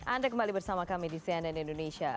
anda kembali bersama kami di cnn indonesia